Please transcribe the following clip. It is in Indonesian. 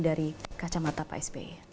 dari kacamata pak sby